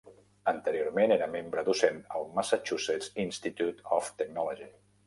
Anteriorment, era membre docent al Massachusetts Institute of Technology.